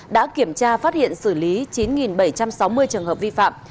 đã kiểm tra phát hiện xử lý chín bảy trăm sáu mươi trường hợp vi phạm